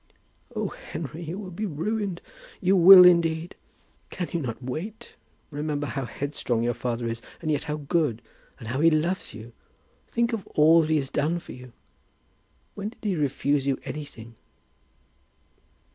"Oh, Henry; you will be ruined. You will, indeed. Can you not wait? Remember how headstrong your father is, and yet how good; and how he loves you! Think of all that he has done for you. When did he refuse you anything?"